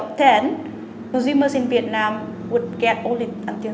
cơ hội truyền thông việt nam chỉ có tầm một